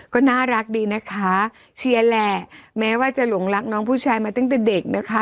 ก็น่ารักดีนะคะเชียร์แหละแม้ว่าจะหลงรักน้องผู้ชายมาตั้งแต่เด็กนะคะ